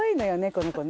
この子ね。